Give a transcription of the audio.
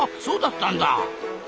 そうだったんだ。